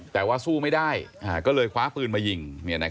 แต่ว่าสู้ไม่ได้ก็เลยคว้าปืนมายิง